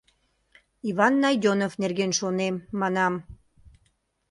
Иван Найдёнов нерген шонем, манам!